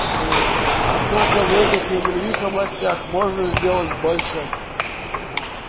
Однако в этих и в других областях можно сделать больше.